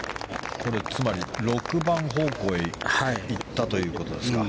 つまり６番方向へ行ったということですか。